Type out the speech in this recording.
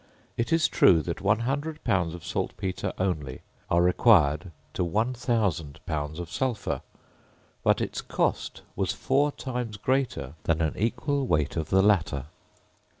It is true that 100 pounds of saltpetre only are required to 1000 pounds of sulphur; but its cost was four times greater than an equal weight of the latter.